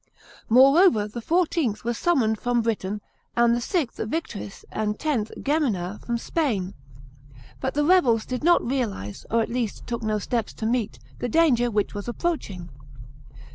Moreover the XlVth was summoned from Britain, and VI. Victrix and X. Geinina from Spain. But the rebels did net realize, < r at least took no steps to meet, the danger which was approaching.